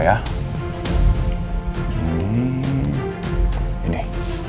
semoga kali ini akun roy bisa dibuka